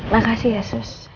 makasih ya sus